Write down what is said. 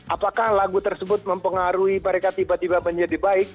apakah lagu tersebut mempengaruhi mereka tiba tiba menjadi baik